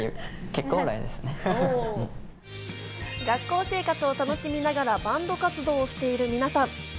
学校生活を楽しみながらバンド活動をしている皆さん。